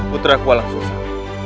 putra ku alang susah